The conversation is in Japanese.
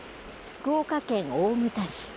福岡県大牟田市。